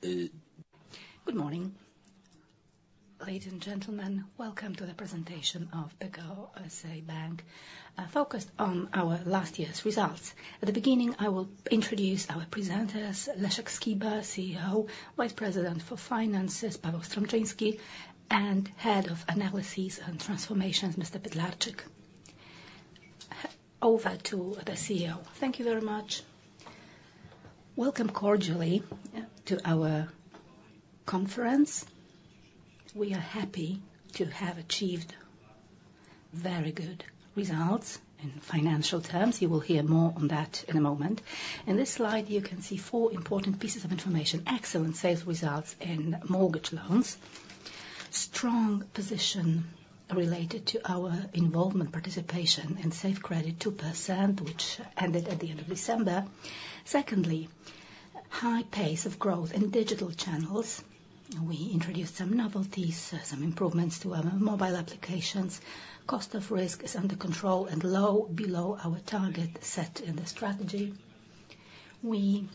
Good morning. Ladies and gentlemen, welcome to the presentation of Pekao S.A. Bank, focused on our last year's results. At the beginning, I will introduce our presenters: Leszek Skiba, CEO; Vice President for Finances, Paweł Strączyński; and Head of Analysis and Transformations, Mr. Pytlarczyk. Over to the CEO. Thank you very much. Welcome cordially to our conference. We are happy to have achieved very good results in financial terms; you will hear more on that in a moment. In this slide, you can see four important pieces of information: excellent sales results in mortgage loans, strong position related to our involvement, participation, and Safe Credit 2%, which ended at the end of December. Secondly, high pace of growth in digital channels; we introduced some novelties, some improvements to our mobile applications. Cost of risk is under control and low, below our target set in the strategy. We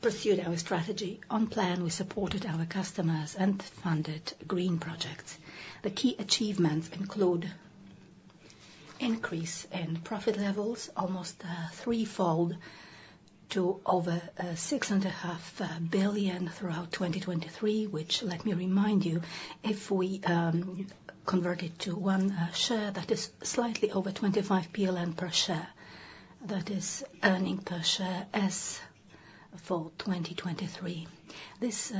pursued our strategy on plan. We supported our customers and funded green projects. The key achievements include increase in profit levels, almost threefold to over 6.5 billion throughout 2023, which, let me remind you, if we convert it to one share, that is slightly over 25 PLN per share. That is earnings per share as for 2023. This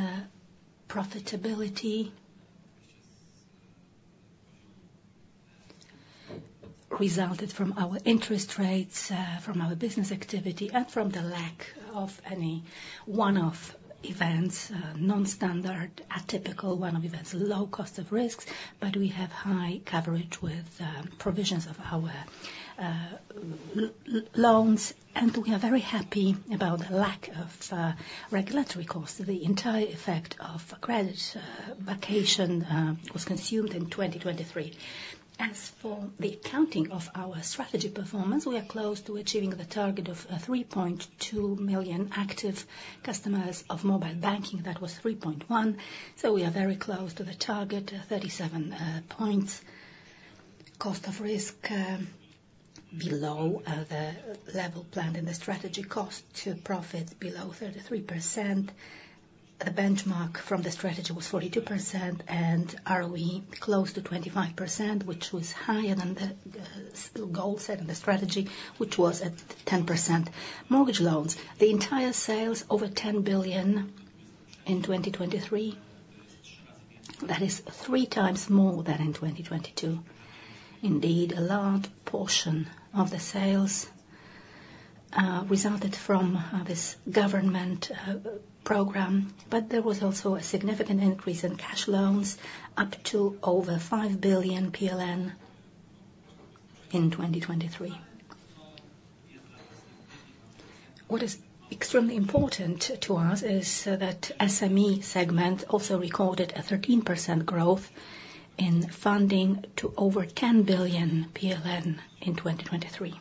profitability resulted from our interest rates, from our business activity, and from the lack of any one-off events, non-standard, atypical one-off events, low cost of risks, but we have high coverage with provisions of our loans, and we are very happy about the lack of regulatory costs. The entire effect of credit vacation was consumed in 2023. As for the accounting of our strategy performance, we are close to achieving the target of 3.2 million active customers of mobile banking. That was 3.1, so we are very close to the target, 37 points. Cost of risk below the level planned in the strategy; cost to profit below 33%. The benchmark from the strategy was 42%, and ROE close to 25%, which was higher than the goal set in the strategy, which was at 10%. Mortgage loans: the entire sales over 10 billion in 2023. That is three times more than in 2022. Indeed, a large portion of the sales resulted from this government program, but there was also a significant increase in cash loans, up to over 5 billion PLN in 2023. What is extremely important to us is that the SME segment also recorded a 13% growth in funding to over 10 billion PLN in 2023.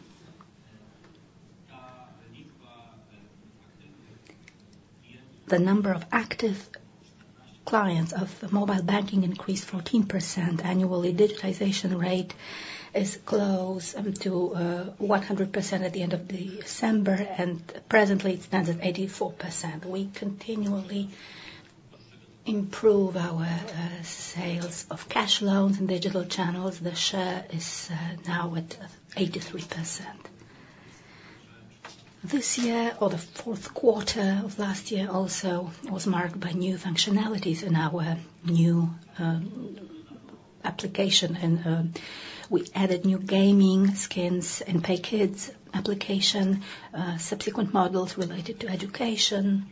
The number of active clients of mobile banking increased 14% annually. Digitization rate is close to 100% at the end of December, and presently it stands at 84%. We continually improve our sales of cash loans and digital channels; the share is now at 83%. This year, or the Q4 of last year, also was marked by new functionalities in our new application. We added new gaming skins in the PeoPay Kids application, subsequent models related to education.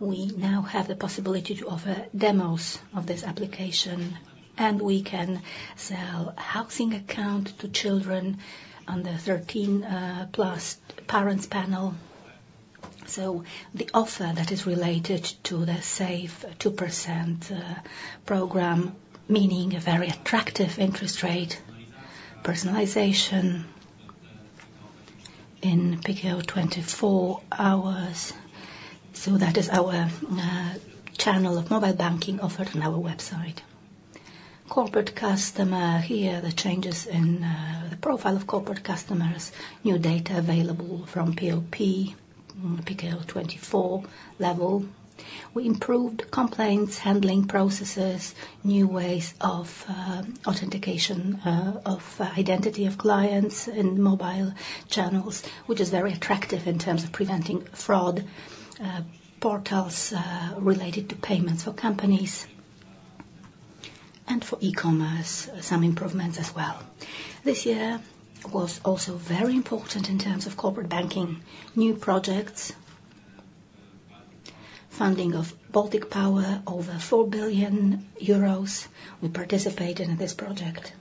We now have the possibility to offer demos of this application, and we can sell housing accounts to children under 13-plus parents' panels. The offer that is related to the safe 2% program, meaning a very attractive interest rate, personalization in Pekao24. So that is our channel of mobile banking offered on our website. Corporate customer: here, the changes in the profile of corporate customers, new data available from POP, Pekao24 level. We improved complaints handling processes, new ways of authentication of identity of clients in mobile channels, which is very attractive in terms of preventing fraud portals related to payments for companies and for e-commerce, some improvements as well. This year was also very important in terms of corporate banking, new projects, funding of Baltic Power over 4 billion euros. We participated in this project.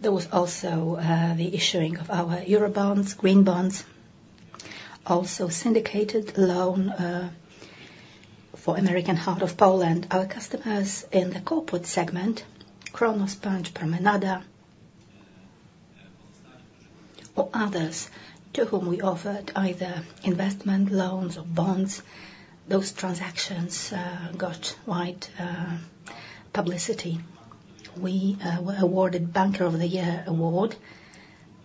There was also the issuing of our eurobonds, green bonds, also syndicated loan for the American Heart of Poland. Our customers in the corporate segment, Kronospan, Promenada, or others, to whom we offered either investment loans or bonds, those transactions got wide publicity. We were awarded Banker of the Year award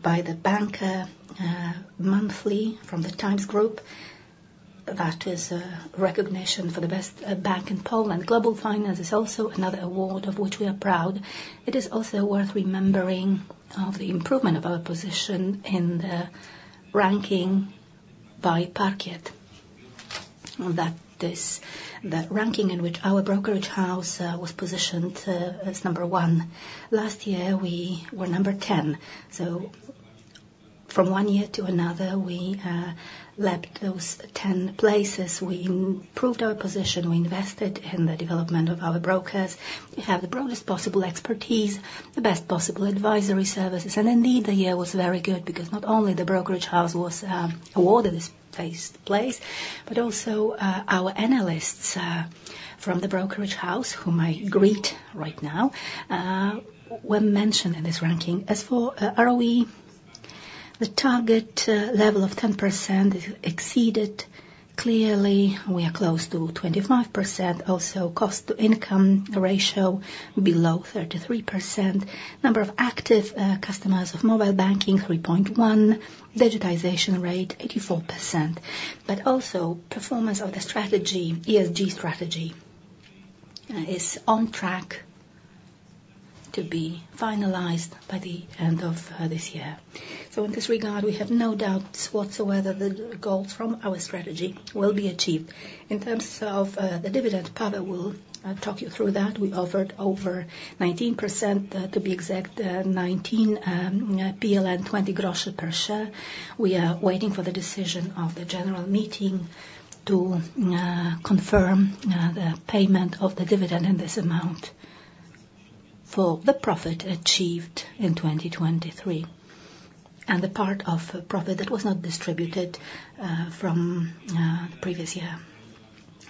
by The Banker monthly from the Times Group. That is recognition for the best bank in Poland. Global Finance is also another award of which we are proud. It is also worth remembering the improvement of our position in the ranking by Parkiet. The ranking in which our brokerage house was positioned as number 1. Last year, we were number 10. So from one year to another, we leapt those 10 places. We improved our position. We invested in the development of our brokers. We have the broadest possible expertise, the best possible advisory services. And indeed, the year was very good because not only the brokerage house was awarded this first place, but also our analysts from the brokerage house, whom I greet right now, were mentioned in this ranking. As for ROE, the target level of 10% exceeded clearly. We are close to 25%. Also, cost-to-income ratio below 33%. Number of active customers of mobile banking: 3.1. Digitization rate: 84%. But also, performance of the strategy, ESG strategy, is on track to be finalized by the end of this year. So in this regard, we have no doubts whatsoever the goals from our strategy will be achieved. In terms of the dividend, Paweł will talk you through that. We offered over 19%, to be exact, 19.20 PLN per share. We are waiting for the decision of the general meeting to confirm the payment of the dividend in this amount for the profit achieved in 2023, and the part of profit that was not distributed from the previous year.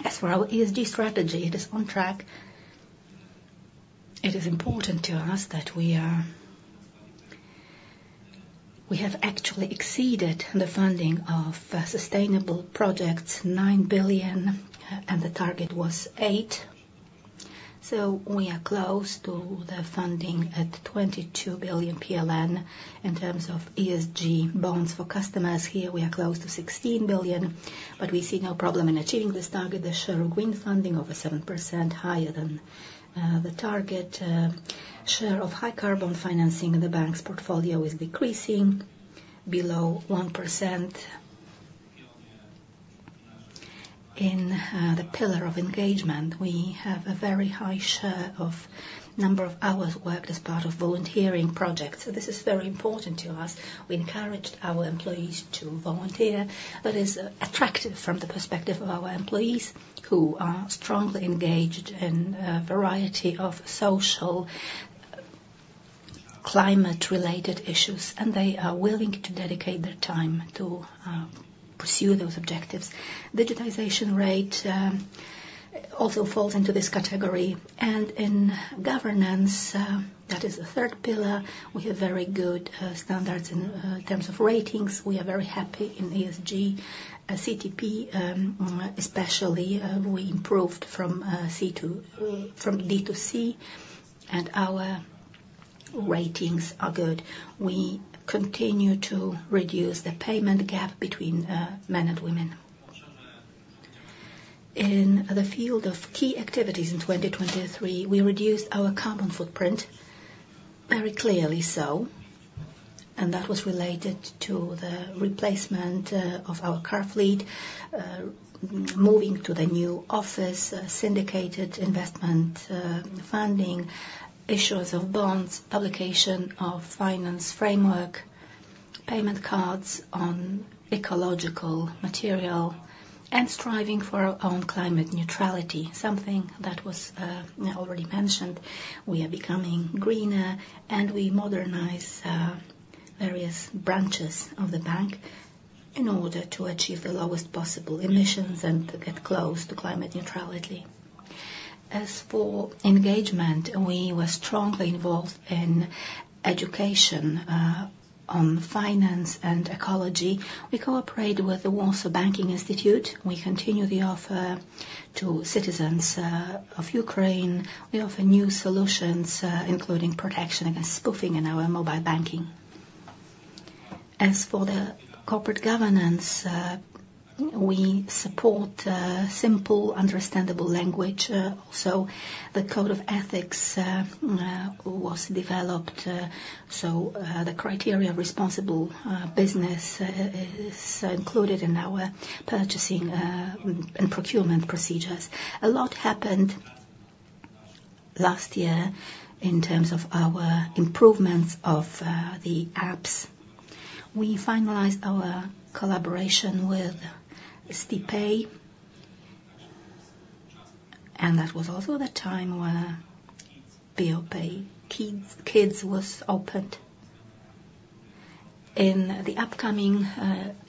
As for our ESG strategy, it is on track. It is important to us that we have actually exceeded the funding of sustainable projects: 9 billion, and the target was 8 billion. So we are close to the funding at 22 billion PLN in terms of ESG bonds for customers. Here, we are close to 16 billion, but we see no problem in achieving this target. The share of green funding: over 7%, higher than the target. The share of high-carbon financing in the bank's portfolio is decreasing, below 1%. In the pillar of engagement, we have a very high share of the number of hours worked as part of volunteering projects. This is very important to us. We encouraged our employees to volunteer. That is attractive from the perspective of our employees, who are strongly engaged in a variety of social climate-related issues, and they are willing to dedicate their time to pursue those objectives. Digitization rate also falls into this category. And in governance, that is the third pillar, we have very good standards in terms of ratings. We are very happy in ESG. CDP, especially, we improved from D to C, and our ratings are good. We continue to reduce the payment gap between men and women. In the field of key activities in 2023, we reduced our carbon footprint very clearly so, and that was related to the replacement of our car fleet, moving to the new office, syndicated investment funding, issues of bonds, publication of finance framework, payment cards on ecological material, and striving for our own climate neutrality, something that was already mentioned. We are becoming greener, and we modernize various branches of the bank in order to achieve the lowest possible emissions and get close to climate neutrality. As for engagement, we were strongly involved in education on finance and ecology. We cooperate with the Warsaw Banking Institute. We continue the offer to citizens of Ukraine. We offer new solutions, including protection against spoofing in our mobile banking. As for the corporate governance, we support simple, understandable language. Also, the code of ethics was developed, so the criteria of responsible business is included in our purchasing and procurement procedures. A lot happened last year in terms of our improvements of the apps. We finalized our collaboration with Tpay, and that was also the time when PeoPay Kids was opened. In the upcoming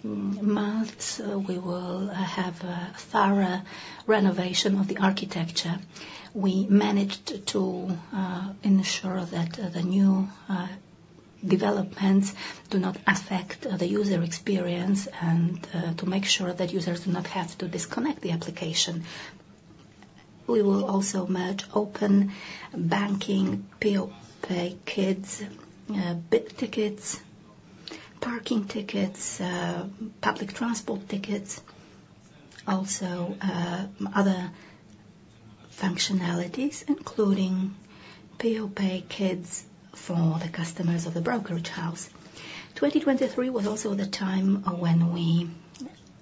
months, we will have a thorough renovation of the architecture. We managed to ensure that the new developments do not affect the user experience and to make sure that users do not have to disconnect the application. We will also merge open banking, PeoPay Kids, PKP tickets, Parking tickets, Public Transport tickets, also other functionalities, including PeoPay Kids for the customers of the brokerage house. 2023 was also the time when we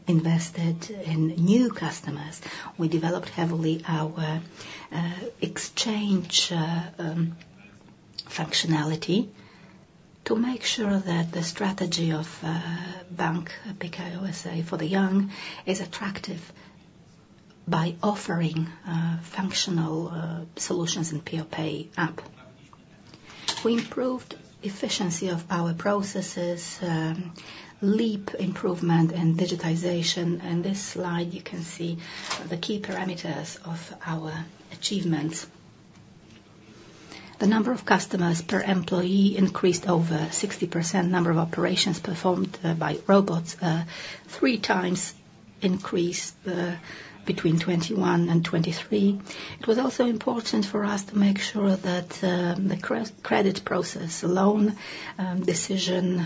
invested in new customers. We developed heavily our exchange functionality to make sure that the strategy of Bank Pekao S.A. for the Young is attractive by offering functional solutions in the PeoPay app. We improved the efficiency of our processes, leap improvement, and digitization. In this slide, you can see the key parameters of our achievements. The number of customers per employee increased over 60%. The number of operations performed by robots 3x increased between 2021 and 2023. It was also important for us to make sure that the credit process, loan decision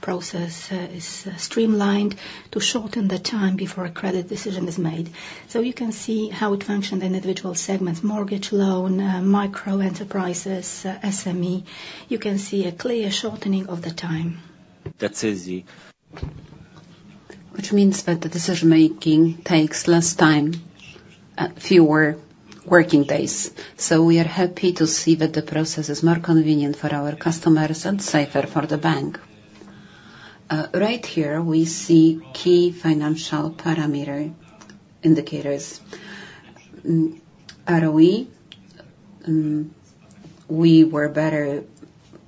process, is streamlined to shorten the time before a credit decision is made. So you can see how it functioned in individual segments: mortgage loan, micro enterprises, SME. You can see a clear shortening of the time. That's easy. Which means that the decision-making takes less time, fewer working days. So we are happy to see that the process is more convenient for our customers and safer for the bank. Right here, we see key financial parameter indicators. ROE: we were better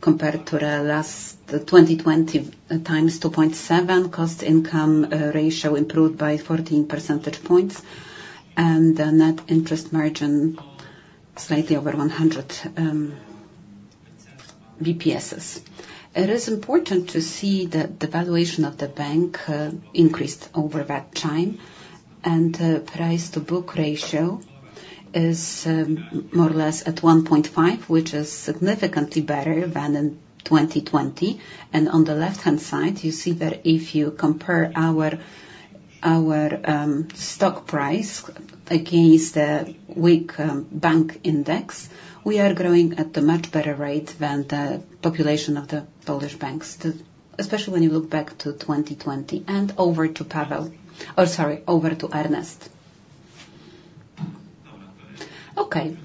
compared to the last 2020 x2.7, cost-to-income ratio improved by 14 percentage points, and the net interest margin slightly over 100 basis points. It is important to see that the valuation of the bank increased over that time, and the price-to-book ratio is more or less at 1.5, which is significantly better than in 2020. And on the left-hand side, you see that if you compare our stock price against the weak bank index, we are growing at a much better rate than the population of the Polish banks, especially when you look back to 2020. And over to Paweł, oh, sorry, over to Ernest. Okay.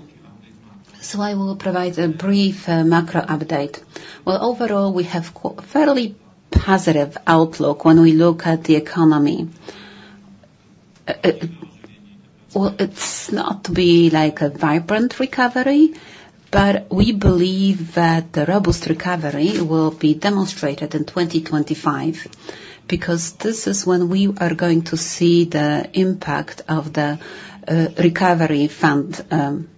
So I will provide a brief macro update. Well, overall, we have a fairly positive outlook when we look at the economy. Well, it's not to be like a vibrant recovery, but we believe that the robust recovery will be demonstrated in 2025 because this is when we are going to see the impact of the recovery funding.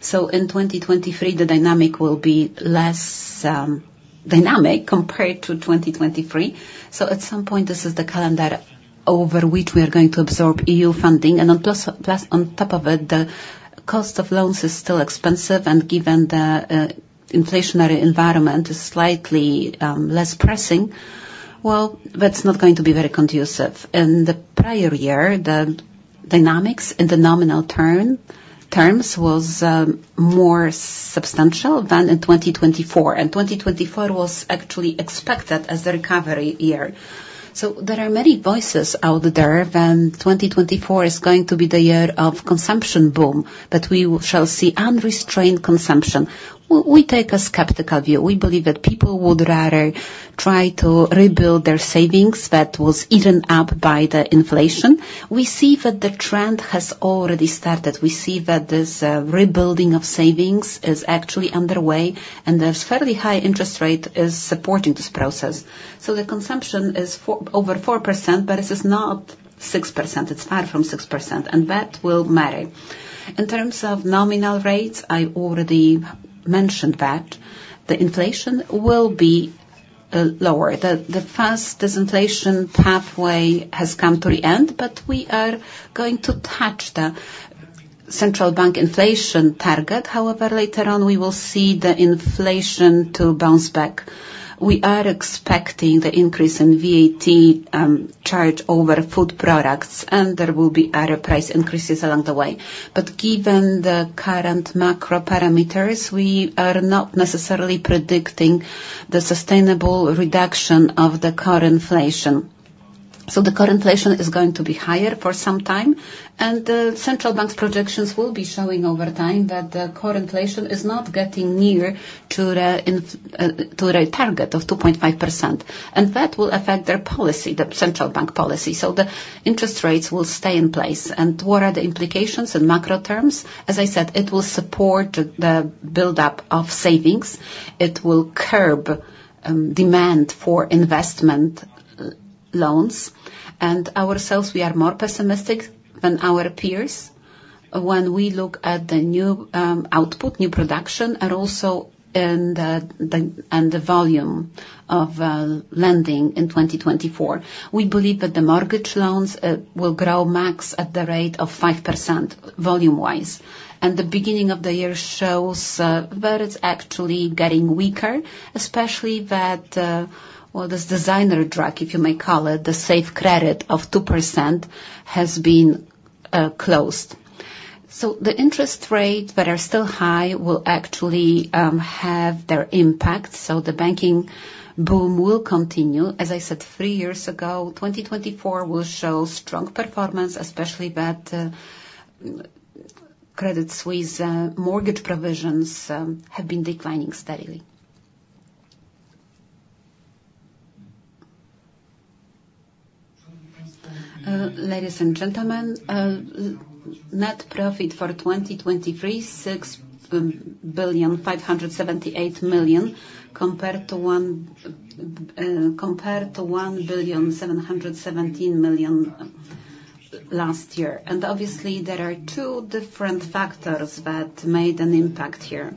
So in 2023, the dynamic will be less dynamic compared to 2023. So at some point, this is the calendar over which we are going to absorb EU funding. And on top of it, the cost of loans is still expensive, and given the inflationary environment is slightly less pressing, well, that's not going to be very conducive. In the prior year, the dynamics in the nominal terms were more substantial than in 2024, and 2024 was actually expected as the recovery year. There are many voices out there that 2024 is going to be the year of consumption boom, that we shall see unrestrained consumption. We take a skeptical view. We believe that people would rather try to rebuild their savings that were eaten up by the inflation. We see that the trend has already started. We see that this rebuilding of savings is actually underway, and a fairly high interest rate is supporting this process. So the consumption is over 4%, but it is not 6%. It's far from 6%, and that will matter. In terms of nominal rates, I already mentioned that the inflation will be lower. The fast disinflation pathway has come to the end, but we are going to touch the central bank inflation target. However, later on, we will see the inflation bounce back. We are expecting the increase in VAT charge over food products, and there will be other price increases along the way. But given the current macro parameters, we are not necessarily predicting the sustainable reduction of the current inflation. So the current inflation is going to be higher for some time, and the central bank's projections will be showing over time that the current inflation is not getting near to the target of 2.5%, and that will affect their policy, the central bank policy. So the interest rates will stay in place. And what are the implications in macro terms? As I said, it will support the buildup of savings. It will curb demand for investment loans. And ourselves, we are more pessimistic than our peers when we look at the new output, new production, and also in the volume of lending in 2024. We believe that the mortgage loans will grow max at the rate of 5% volume-wise. And the beginning of the year shows that it's actually getting weaker, especially that, well, this designer drug, if you may call it, the Safe Credit 2% has been closed. So the interest rates that are still high will actually have their impact. So the banking boom will continue. As I said three years ago, 2024 will show strong performance, especially that Swiss credit mortgage provisions have been declining steadily. Ladies and gentlemen, net profit for 2023 6,578 million compared to 1,717 million last year. And obviously, there are two different factors that made an impact here.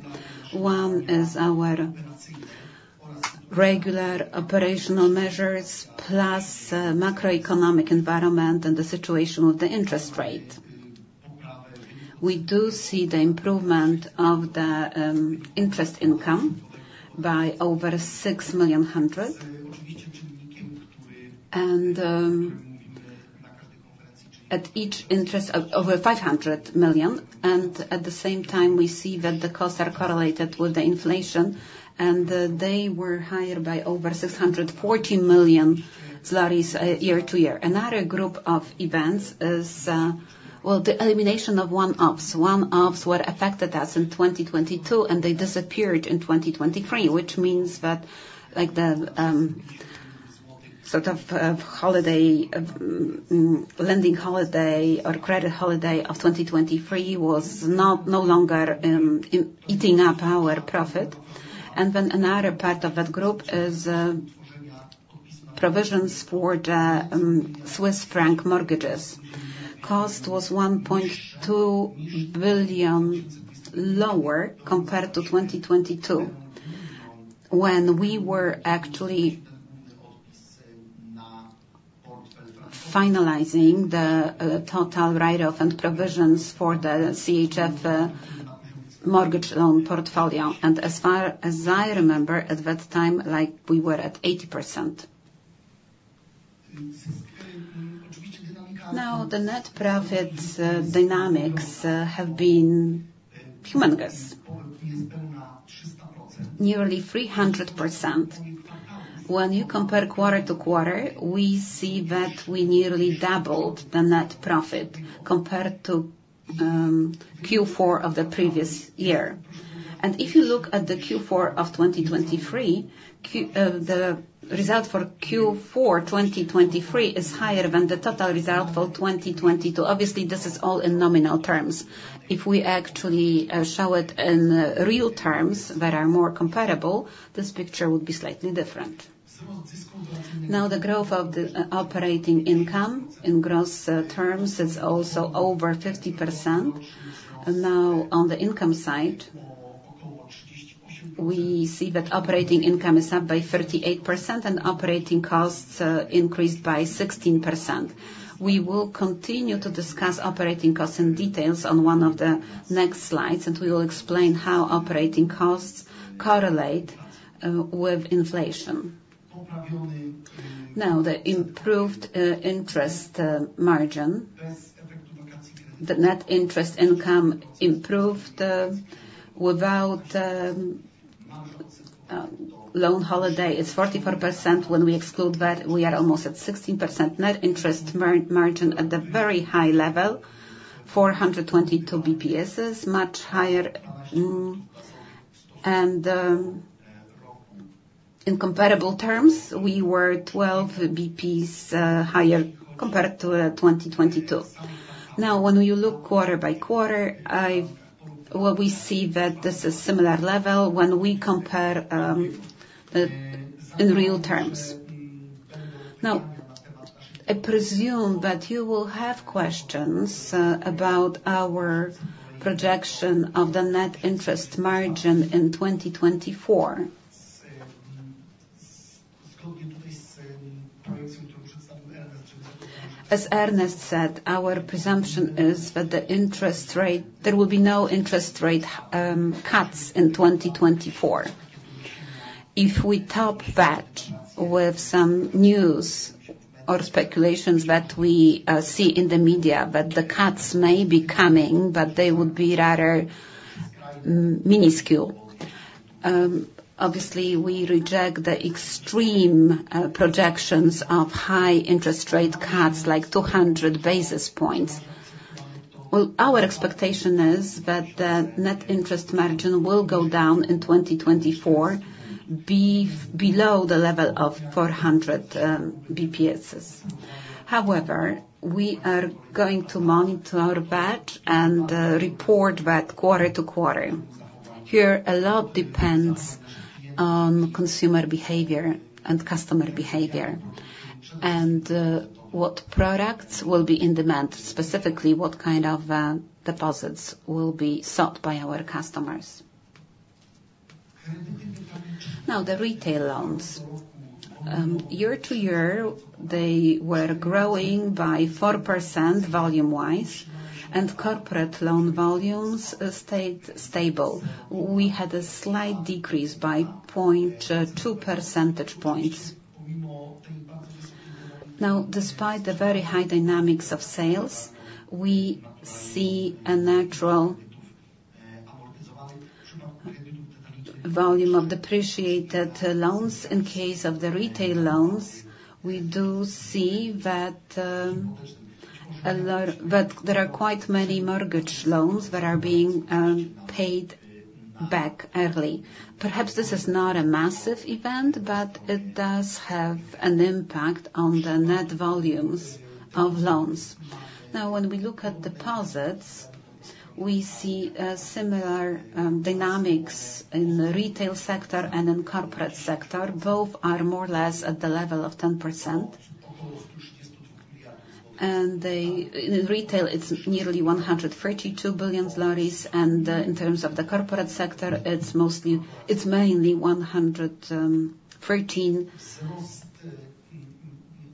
One is our regular operational measures plus macroeconomic environment and the situation of the interest rate. We do see the improvement of the interest income by over 6,100,000 at each interest of over 500 million. At the same time, we see that the costs are correlated with the inflation, and they were higher by over 640 million zlotys year-over-year. Another group of events is, well, the elimination of one-offs. One-offs were affected us in 2022, and they disappeared in 2023, which means that the sort of lending holiday or credit holiday of 2023 was no longer eating up our profit. And then another part of that group is provisions for the Swiss franc mortgages. Cost was 1.2 billion lower compared to 2022 when we were actually finalizing the total write-off and provisions for the CHF mortgage loan portfolio. And as far as I remember, at that time, we were at 80%.Now, the net profit dynamics have been humongous. Nearly 300%. When you compare Q to Q, we see that we nearly doubled the net profit compared to Q4 of the previous year. If you look at the Q4 of 2023, the result for Q4 2023 is higher than the total result for 2022. Obviously, this is all in nominal terms. If we actually show it in real terms that are more comparable, this picture would be slightly different. Now, the growth of the operating income in gross terms is also over 50%. Now, on the income side, we see that operating income is up by 38% and operating costs increased 16%. We will continue to discuss operating costs in detail on one of the next slides, and we will explain how operating costs correlate with inflation. Now, the improved interest margin, the net interest income improved without loan holiday, it's 44%. When we exclude that, we are almost at 16% net interest margin at a very high level, 422 basi points, much higher. And in comparable terms, we were 12 basis points higher compared to 2022. Now, when you look quarter by quarter, we see that this is a similar level when we compare in real terms. Now, I presume that you will have questions about our projection of the net interest margin in 2024. As Ernest said, our presumption is that there will be no interest rate cuts in 2024. If we top that with some news or speculations that we see in the media that the cuts may be coming, but they would be rather minuscule, obviously, we reject the extreme projections of high interest rate cuts like 200 basis points. Well, our expectation is that the net interest margin will go down in 2024 below the level of 400 basis points. However, we are going to monitor that and report that QoQ. Here, a lot depends on consumer behavior and customer behavior and what products will be in demand, specifically what kind of deposits will be sought by our customers. Now, the retail loans. Year-over-year, they were growing by 4% volume-wise, and corporate loan volumes stayed stable. We had a slight decrease by 0.2 percentage points. Now, despite the very high dynamics of sales, we see a natural volume of depreciated loans. In case of the retail loans, we do see that there are quite many mortgage loans that are being paid back early. Perhaps this is not a massive event, but it does have an impact on the net volumes of loans. Now, when we look at deposits, we see similar dynamics in the retail sector and in corporate sector. Both are more or less at the level of 10%. In retail, it's nearly 132 billion zlotys. In terms of the corporate sector, it's mainly 113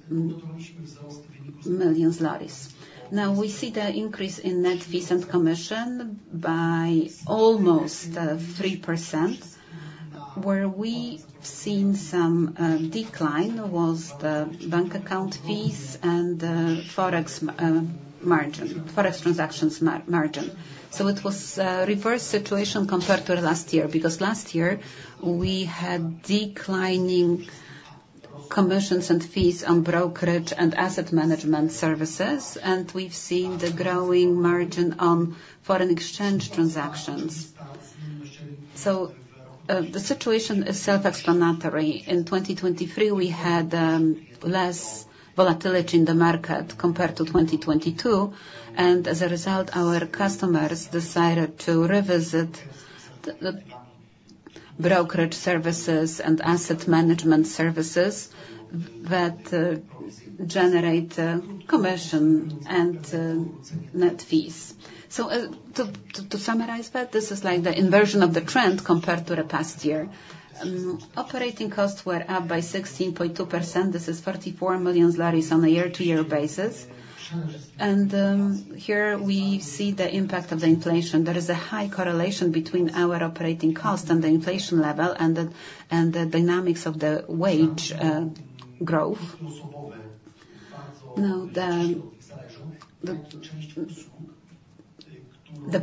million zlotys. Now, we see the increase in net fees and commission by almost 3%. Where we've seen some decline was the bank account fees and the forex transactions margin. So it was a reverse situation compared to last year because last year, we had declining commissions and fees on brokerage and asset management services, and we've seen the growing margin on foreign exchange transactions. So the situation is self-explanatory. In 2023, we had less volatility in the market compared to 2022. As a result, our customers decided to revisit the brokerage services and asset management services that generate commission and net fees. So to summarize that, this is like the inversion of the trend compared to the past year. Operating costs were up by 16.2%. This is 44 million on a year-to-year basis. And here, we see the impact of the inflation. There is a high correlation between our operating cost and the inflation level and the dynamics of the wage growth. Now, the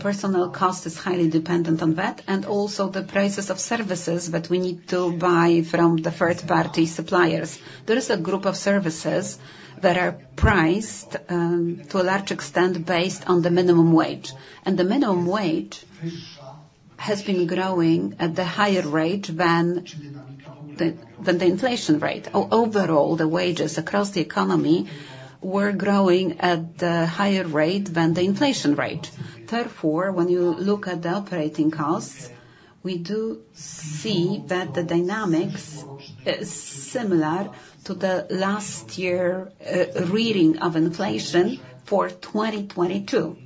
personal cost is highly dependent on that and also the prices of services that we need to buy from the third-party suppliers. There is a group of services that are priced to a large extent based on the minimum wage. And the minimum wage has been growing at the higher rate than the inflation rate. Overall, the wages across the economy were growing at the higher rate than the inflation rate. Therefore, when you look at the operating costs, we do see that the dynamics is similar to the last year's reading of inflation for 2022.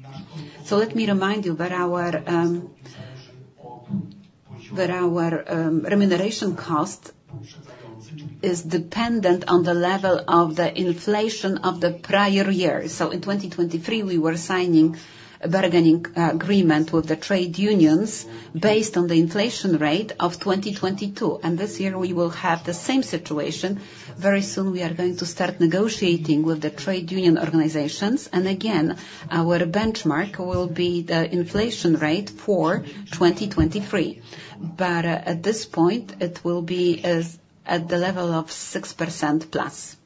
So let me remind you that our remuneration cost is dependent on the level of the inflation of the prior year. So in 2023, we were signing a bargaining agreement with the trade unions based on the inflation rate of 2022. And this year, we will have the same situation. Very soon, we are going to start negotiating with the trade union organizations. And again, our benchmark will be the inflation rate for 2023. But at this point, it will be at the level of 6%+.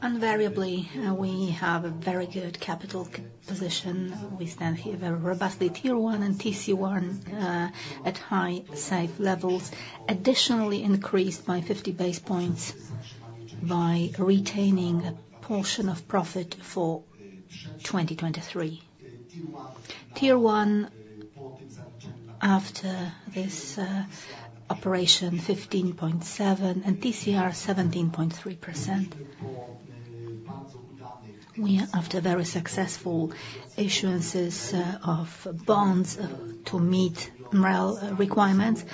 Invariably, we have a very good capital position. We stand here very robustly, Tier 1 and TCR at high safe levels, additionally increased by 50 basis points by retaining a portion of profit for 2023. Tier 1, after this operation, 15.7%, and TCR, 17.3%. We are after very successful issuances of bonds to meet MREL requirements.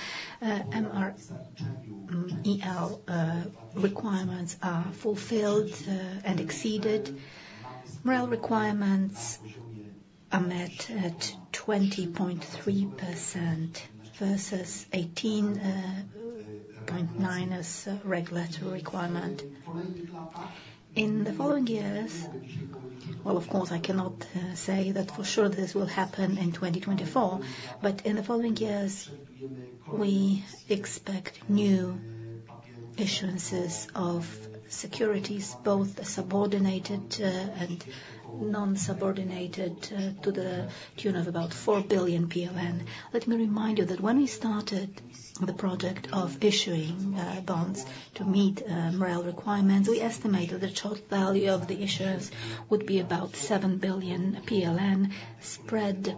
MREL requirements are fulfilled and exceeded. MREL requirements are met at 20.3% versus 18.9% as a regulatory requirement. In the following years, well, of course, I cannot say that for sure this will happen in 2024. But in the following years, we expect new issuances of securities, both subordinated and non-subordinated, to the tune of about 4 billion. Let me remind you that when we started the project of issuing bonds to meet MREL requirements, we estimated the total value of the issuance would be about 7 billion PLN spread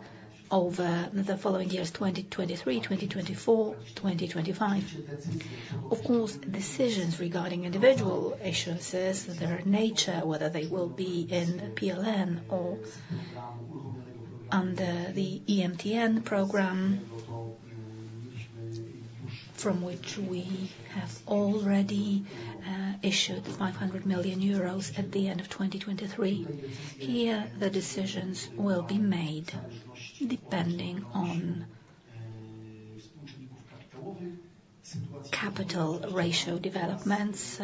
over the following years, 2023, 2024, 2025. Of course, decisions regarding individual issuances, their nature, whether they will be in PLN or under the EMTN program from which we have already issued 500 million euros at the end of 2023, here, the decisions will be made depending on capital ratio developments,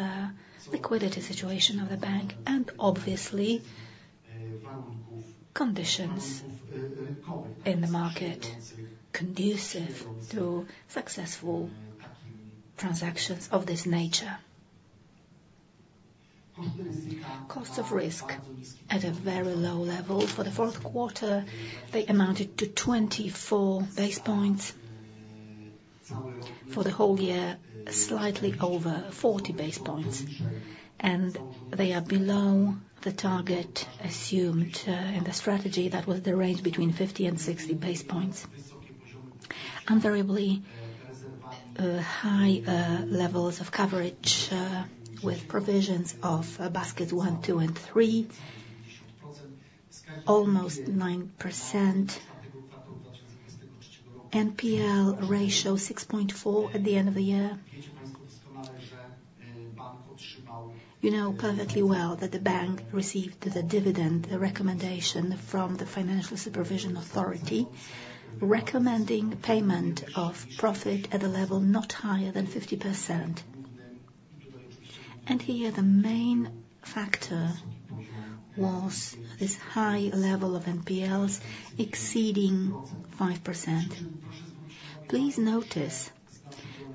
liquidity situation of the bank, and obviously, conditions in the market conducive to successful transactions of this nature. Cost of risk at a very low level for the Q4. They amounted to 24 basis points. For the whole year, slightly over 40 basis points. They are below the target assumed in the strategy. That was the range between 50 and 60 basis points. Invariably, high levels of coverage with provisions of baskets 1, 2, and 3, almost 9%. NPL ratio 6.4 at the end of the year. You know perfectly well that the bank received the dividend recommendation from the Financial Supervision Authority recommending payment of profit at a level not higher than 50%. Here, the main factor was this high level of NPLs exceeding 5%. Please notice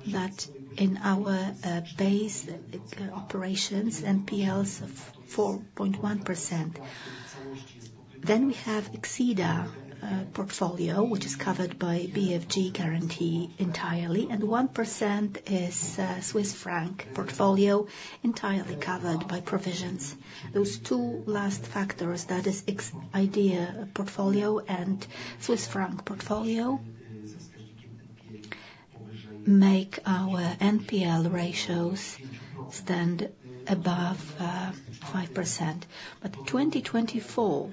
that in our base operations, NPLs of 4.1%. Then we have Idea portfolio, which is covered by BFG guarantee entirely, and 1% is Swiss Franc portfolio entirely covered by provisions. Those two last factors, that is Idea portfolio and Swiss Franc portfolio, make our NPL ratios stand above 5%. But 2024,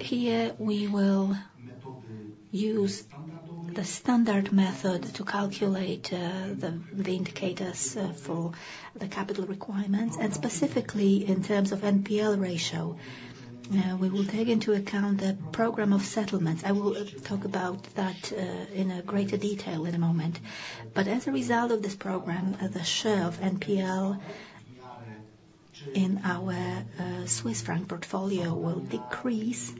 here, we will use the standard method to calculate the indicators for the capital requirements. And specifically, in terms of NPL ratio, we will take into account the program of settlements. I will talk about that in greater detail in a moment. But as a result of this program, the share of NPL in our Swiss Franc portfolio will decrease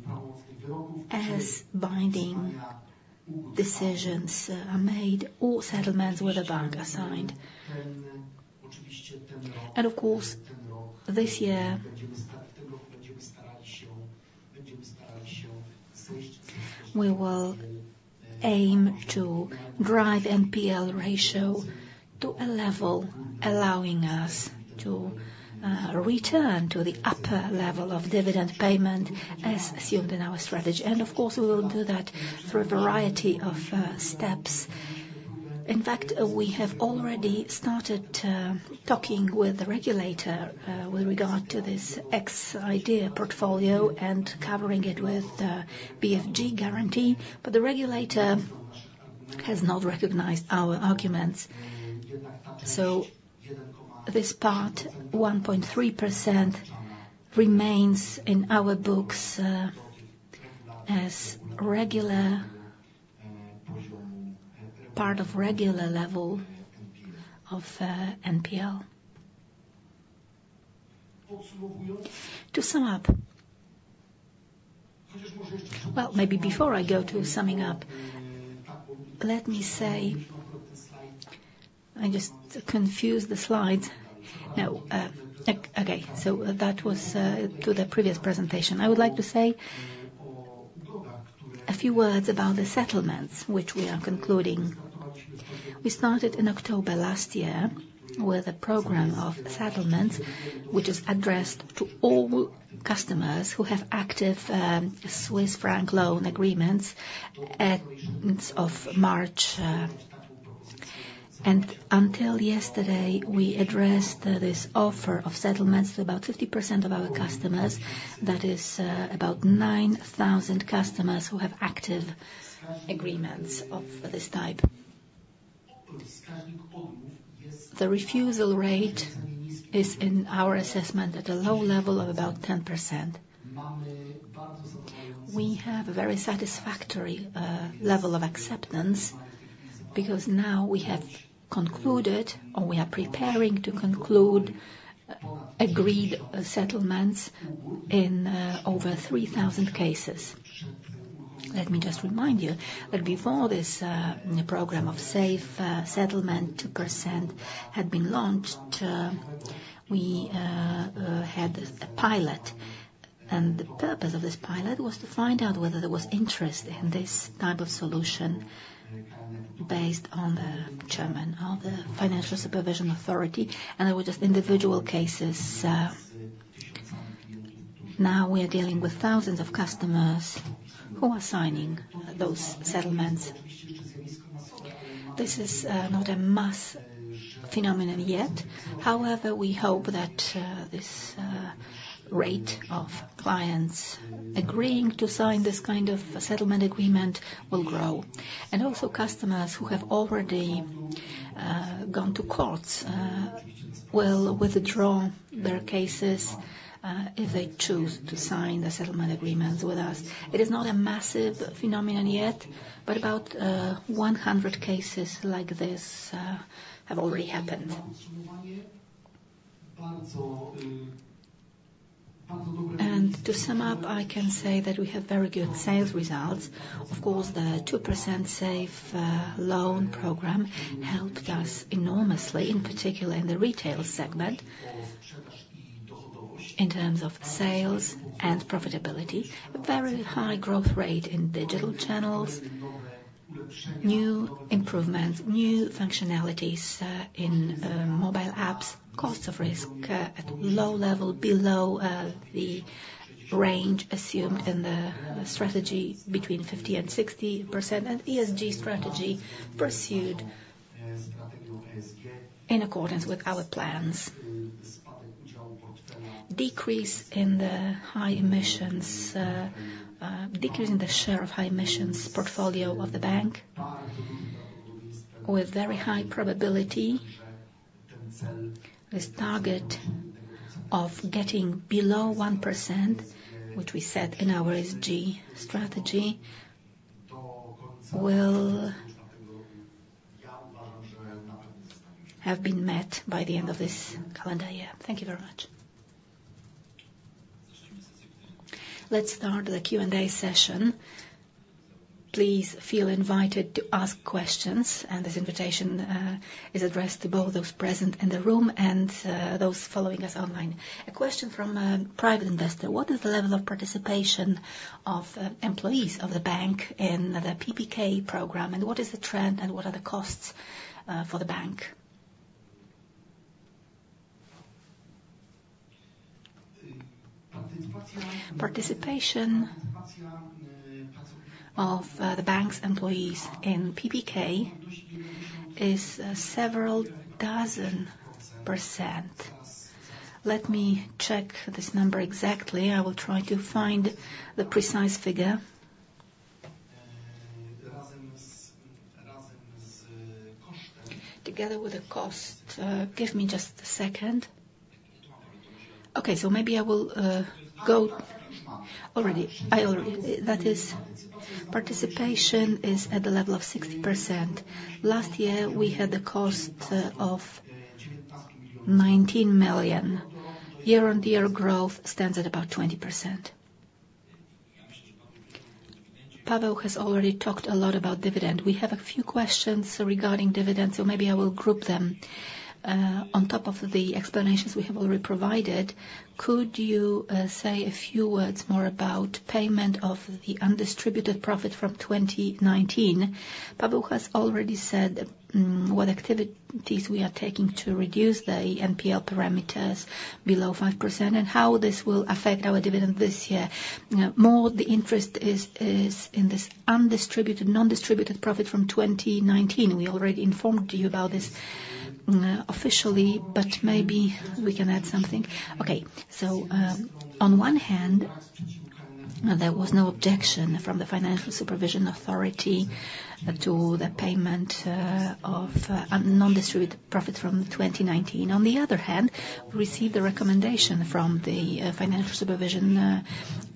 as binding decisions are made or settlements with a bank assigned. And of course, this year, we will aim to drive NPL ratio to a level allowing us to return to the upper level of dividend payment as assumed in our strategy. And of course, we will do that through a variety of steps. In fact, we have already started talking with the regulator with regard to this ex-IDEA portfolio and covering it with BFG guarantee. But the regulator has not recognized our arguments. So this part, 1.3%, remains in our books as part of regular level of NPL. To sum up, well, maybe before I go to summing up, let me say I just confused the slides. Okay. So that was to the previous presentation. I would like to say a few words about the settlements, which we are concluding. We started in October last year with a program of settlements, which is addressed to all customers who have active Swiss Franc loan agreements ends of March. And until yesterday, we addressed this offer of settlements to about 50% of our customers. That is about 9,000 customers who have active agreements of this type. The refusal rate is in our assessment at a low level of about 10%. We have a very satisfactory level of acceptance because now we have concluded, or we are preparing to conclude, agreed settlements in over 3,000 cases. Let me just remind you that before this program of safe settlement 2% had been launched, we had a pilot. And the purpose of this pilot was to find out whether there was interest in this type of solution based on. The chairman of the Financial Supervision Authority. They were just individual cases. Now, we are dealing with thousands of customers who are signing those settlements. This is not a mass phenomenon yet. However, we hope that this rate of clients agreeing to sign this kind of settlement agreement will grow. Also, customers who have already gone to courts will withdraw their cases if they choose to sign the settlement agreements with us. It is not a massive phenomenon yet, but about 100 cases like this have already happened. To sum up, I can say that we have very good sales results. Of course, the Safe Credit 2% program helped us enormously, in particular in the retail segment, in terms of sales and profitability, very high growth rate in digital channels, new improvements, new functionalities in mobile apps, cost of risk at low level, below the range assumed in the strategy between 50% and 60%, and ESG strategy pursued in accordance with our plans, decrease in the share of high emissions portfolio of the bank with very high probability. This target of getting below 1%, which we set in our ESG strategy, will have been met by the end of this calendar. Yeah. Thank you very much. Let's start the Q&A session. Please feel invited to ask questions. And this invitation is addressed to both those present in the room and those following us online. A question from a private investor. What is the level of participation of employees of the bank in the PPK program? And what is the trend, and what are the costs for the bank? Participation of the bank's employees in PPK is several dozen percent. Let me check this number exactly. I will try to find the precise figure. Together with the cost give me just a second. Okay. So maybe I will go already. That is, participation is at the level of 60%. Last year, we had the cost of 19 million. Year-on-year growth stands at about 20%. Paweł has already talked a lot about dividend. We have a few questions regarding dividends, so maybe I will group them. On top of the explanations we have already provided, could you say a few words more about payment of the undistributed profit from 2019? Paweł has already said what activities we are taking to reduce the NPL parameters below 5% and how this will affect our dividend this year. More, the interest is in this undistributed, non-distributed profit from 2019. We already informed you about this officially, but maybe we can add something. Okay. So on one hand, there was no objection from the Financial Supervision Authority to the payment of undistributed profit from 2019. On the other hand, we received a recommendation from the Financial Supervision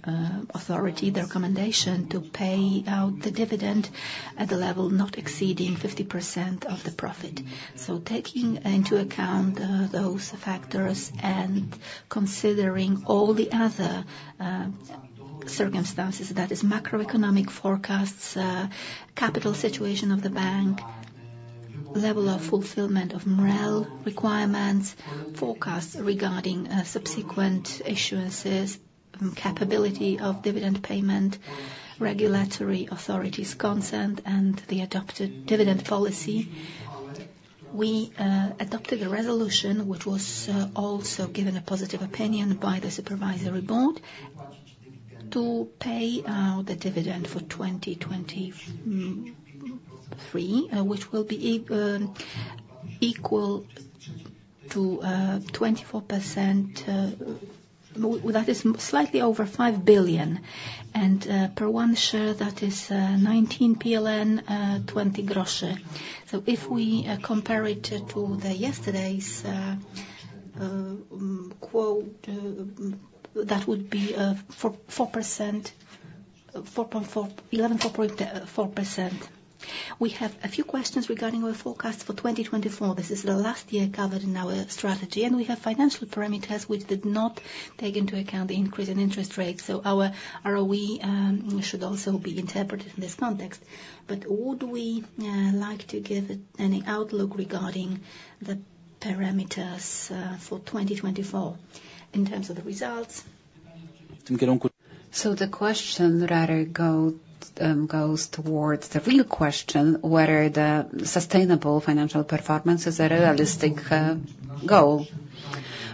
Authority, the recommendation to pay out the dividend at a level not exceeding 50% of the profit. So taking into account those factors and considering all the other circumstances, that is, macroeconomic forecasts, capital situation of the bank, level of fulfillment of MREL requirements, forecasts regarding subsequent issuances, capability of dividend payment, regulatory authorities' consent, and the adopted dividend policy, we adopted a resolution, which was also given a positive opinion by the supervisory board, to pay out the dividend for 2023, which will be equal to 24%. That is slightly over 5 billion. And per one share, that is 19.20 PLN. So if we compare it to yesterday's quote, that would be 4.4%. We have a few questions regarding our forecast for 2024. This is the last year covered in our strategy. And we have financial parameters, which did not take into account the increase in interest rates. So our ROE should also be interpreted in this context. But would we like to give any outlook regarding the parameters for 2024 in terms of the results? So the question rather goes towards the real question, whether the sustainable financial performance is a realistic goal.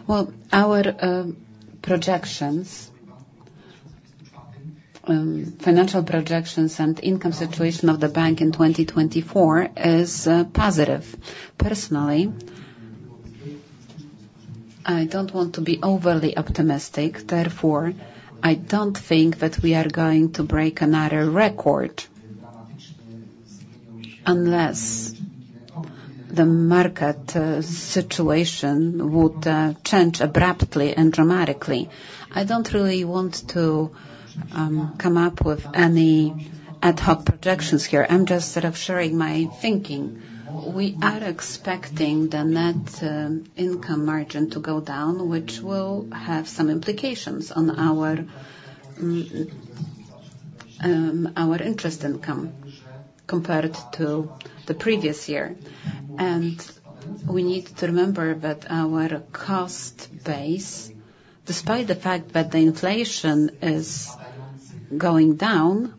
Well, our financial projections and income situation of the bank in 2024 is positive. Personally, I don't want to be overly optimistic. Therefore, I don't think that we are going to break another record unless the market situation would change abruptly and dramatically. I don't really want to come up with any ad hoc projections here. I'm just sort of sharing my thinking. We are expecting the net income margin to go down, which will have some implications on our interest income compared to the previous year. We need to remember that our cost base, despite the fact that the inflation is going down,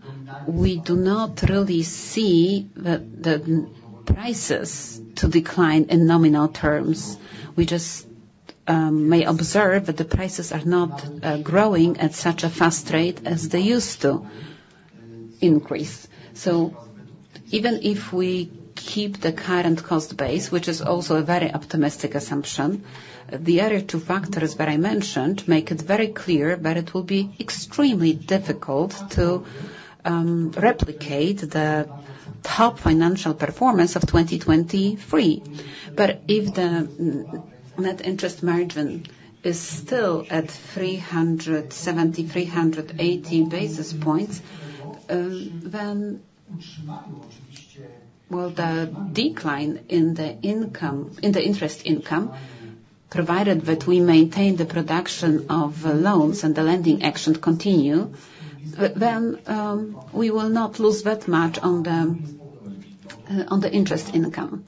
we do not really see the prices to decline in nominal terms. We just may observe that the prices are not growing at such a fast rate as they used to increase. So even if we keep the current cost base, which is also a very optimistic assumption, the other two factors that I mentioned make it very clear that it will be extremely difficult to replicate the top financial performance of 2023. But if the net interest margin is still at 370-380 basis points, then the decline in the interest income, provided that we maintain the production of loans and the lending action continue, then we will not lose that much on the interest income.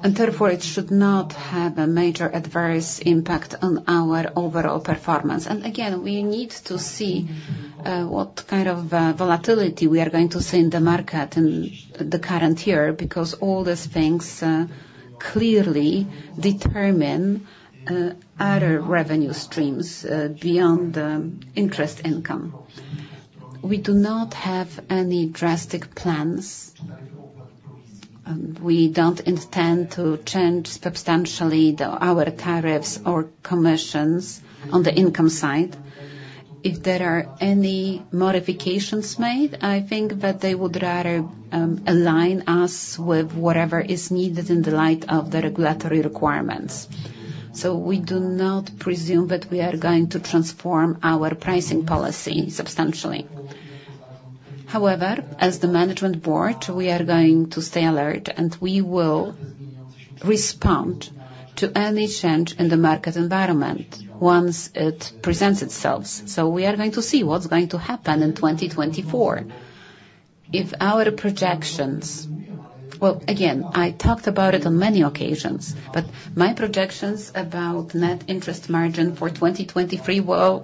And therefore, it should not have a major adverse impact on our overall performance. Again, we need to see what kind of volatility we are going to see in the market in the current year because all these things clearly determine other revenue streams beyond interest income. We do not have any drastic plans. We don't intend to change substantially our tariffs or commissions on the income side. If there are any modifications made, I think that they would rather align us with whatever is needed in the light of the regulatory requirements. So we do not presume that we are going to transform our pricing policy substantially. However, as the management board, we are going to stay alert, and we will respond to any change in the market environment once it presents itself. So we are going to see what's going to happen in 2024. If our projections well, again, I talked about it on many occasions, but my projections about net interest margin for 2023 were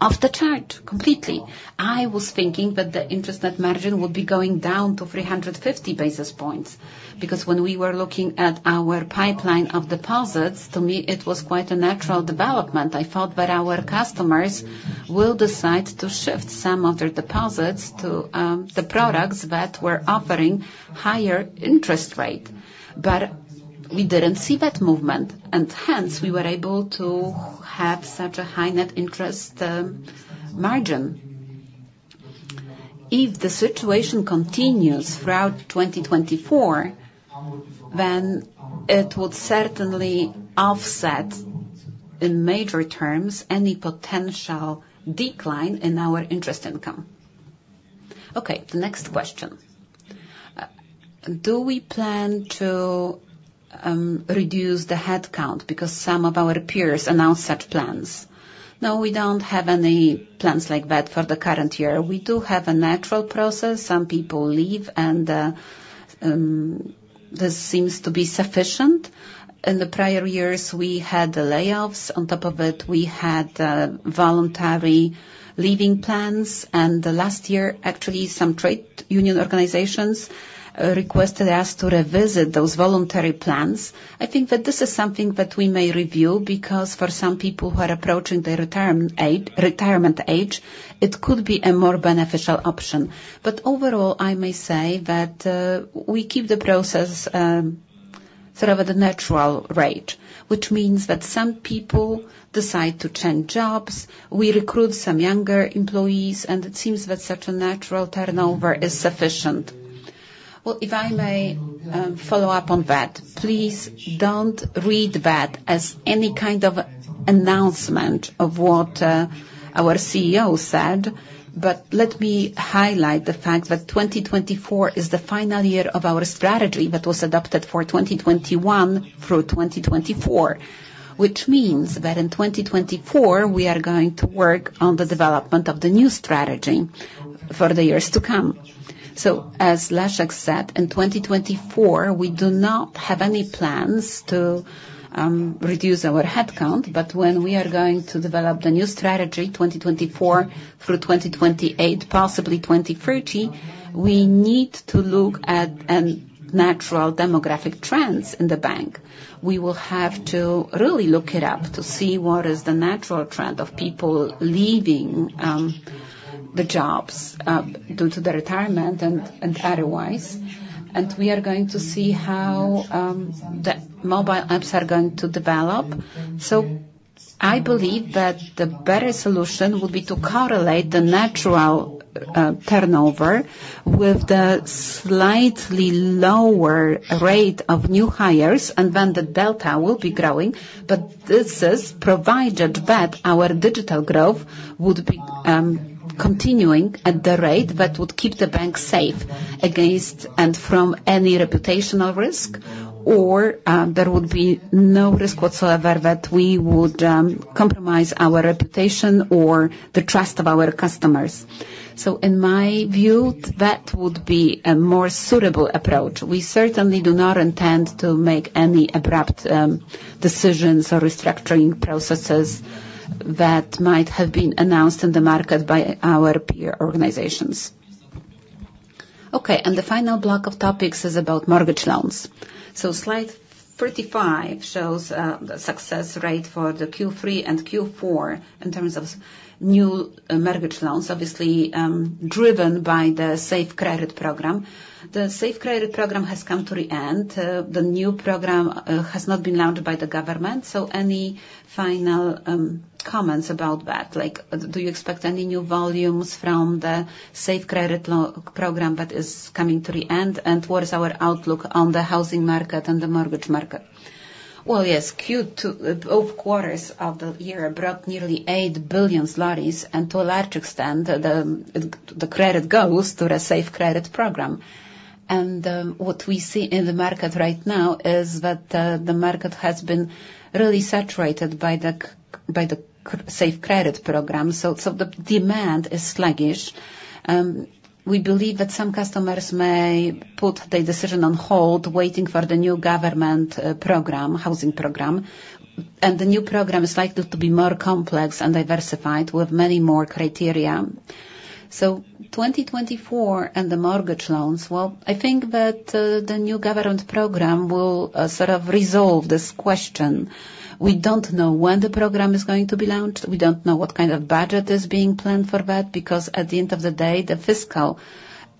off the chart completely. I was thinking that the interest net margin would be going down to 350 basis points because when we were looking at our pipeline of deposits, to me, it was quite a natural development. I thought that our customers will decide to shift some of their deposits to the products that were offering higher interest rate. But we didn't see that movement. And hence, we were able to have such a high net interest margin. If the situation continues throughout 2024, then it would certainly offset, in major terms, any potential decline in our interest income. Okay. The next question. Do we plan to reduce the headcount because some of our peers announced such plans? No, we don't have any plans like that for the current year. We do have a natural process. Some people leave, and this seems to be sufficient. In the prior years, we had the layoffs. On top of it, we had voluntary leaving plans. Last year, actually, some trade union organizations requested us to revisit those voluntary plans. I think that this is something that we may review because for some people who are approaching their retirement age, it could be a more beneficial option. But overall, I may say that we keep the process sort of at a natural rate, which means that some people decide to change jobs. We recruit some younger employees, and it seems that such a natural turnover is sufficient. Well, if I may follow up on that, please don't read that as any kind of announcement of what our CEO said. But let me highlight the fact that 2024 is the final year of our strategy that was adopted for 2021 through 2024, which means that in 2024, we are going to work on the development of the new strategy for the years to come. So as Leszek said, in 2024, we do not have any plans to reduce our headcount. But when we are going to develop the new strategy, 2024 through 2028, possibly 2030, we need to look at natural demographic trends in the bank. We will have to really look it up to see what is the natural trend of people leaving the jobs due to the retirement and otherwise. And we are going to see how the mobile apps are going to develop. So I believe that the better solution would be to correlate the natural turnover with the slightly lower rate of new hires, and then the delta will be growing. But this provided that our digital growth would be continuing at the rate that would keep the bank safe against and from any reputational risk, or there would be no risk whatsoever that we would compromise our reputation or the trust of our customers. So in my view, that would be a more suitable approach. We certainly do not intend to make any abrupt decisions or restructuring processes that might have been announced in the market by our peer organizations. Okay. The final block of topics is about mortgage loans. So slide 35 shows the success rate for the Q3 and Q4 in terms of new mortgage loans, obviously driven by the Safe Credit Program. The Safe Credit Program has come to the end. The new program has not been launched by the government. So any final comments about that? Do you expect any new volumes from the Safe Credit Program that is coming to the end? And what is our outlook on the housing market and the mortgage market? Well, yes. Q2, both quarters of the year, brought nearly 8 billion zlotys, and to a large extent, the credit goes to the Safe Credit Program. And what we see in the market right now is that the market has been really saturated by the Safe Credit Program. So the demand is sluggish. We believe that some customers may put their decision on hold, waiting for the new government housing program. And the new program is likely to be more complex and diversified with many more criteria. So, 2024 and the mortgage loans, well, I think that the new government program will sort of resolve this question. We don't know when the program is going to be launched. We don't know what kind of budget is being planned for that because at the end of the day, the fiscal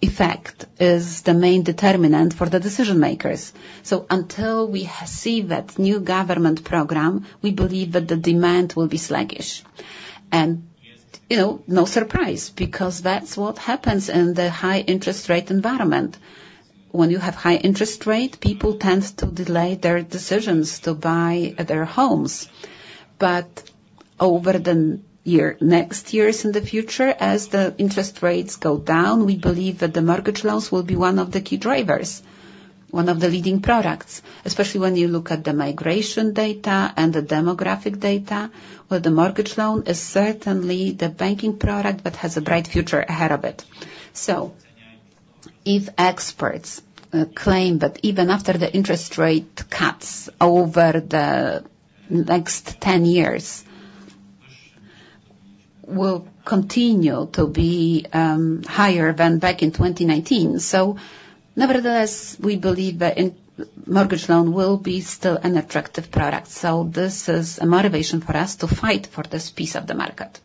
effect is the main determinant for the decision-makers. So until we see that new government program, we believe that the demand will be sluggish. And no surprise because that's what happens in the high-interest-rate environment. When you have high-interest rate, people tend to delay their decisions to buy their homes. But over the next years in the future, as the interest rates go down, we believe that the mortgage loans will be one of the key drivers, one of the leading products, especially when you look at the migration data and the demographic data, where the mortgage loan is certainly the banking product that has a bright future ahead of it. So if experts claim that even after the interest rate cuts over the next 10 years will continue to be higher than back in 2019, so nevertheless, we believe that mortgage loan will be still an attractive product. So this is a motivation for us to fight for this piece of the market.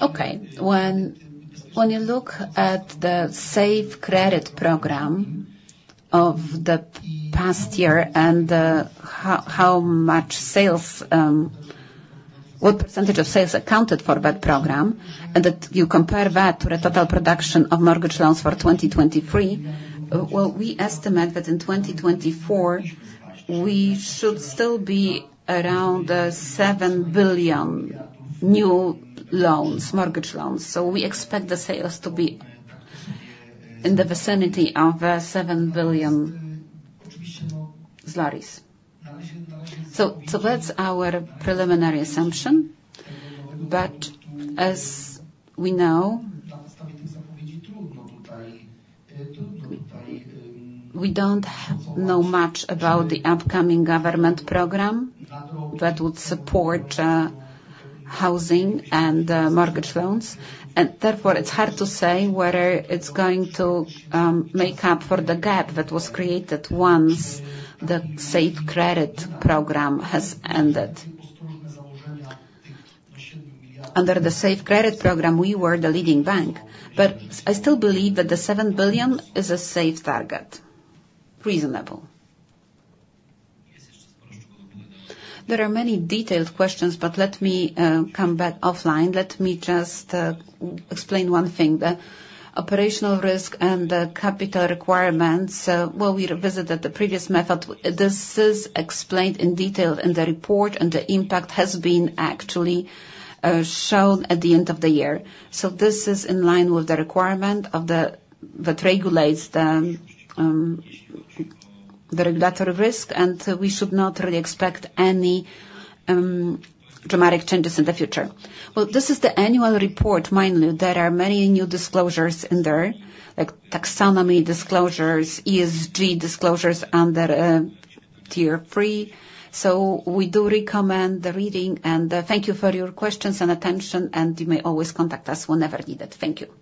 Okay. When you look at the Safe Credit Program of the past year and what percentage of sales accounted for that program, and that you compare that to the total production of mortgage loans for 2023, well, we estimate that in 2024, we should still be around 7 billion new mortgage loans. So we expect the sales to be in the vicinity of 7 billion. So that's our preliminary assumption. But as we know. We don't know much about the upcoming government program that would support housing and mortgage loans. And therefore, it's hard to say whether it's going to make up for the gap that was created once the Safe Credit Program has ended. Under the Safe Credit Program, we were the leading bank. But I still believe that the 7 billion is a safe target, reasonable. There are many detailed questions, but let me come back offline. Let me just explain one thing. The operational risk and the capital requirements, well, we revisited the previous method. This is explained in detail in the report, and the impact has been actually shown at the end of the year. So this is in line with the requirement that regulates the regulatory risk, and we should not really expect any dramatic changes in the future. Well, this is the annual report, mainly. There are many new disclosures in there, like taxonomy disclosures, ESG disclosures under Tier 3. So we do recommend the reading. Thank you for your questions and attention. You may always contact us whenever needed. Thank you.